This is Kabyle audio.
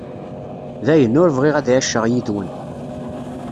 Dayen, ur bɣiɣ ad εiceɣ yid-wen.